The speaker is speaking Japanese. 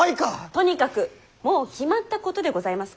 とにかくもう決まったことでございますから。